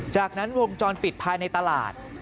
จากนั้นวงจรปิดภายในตลาด